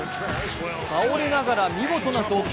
倒れながら見事な送球。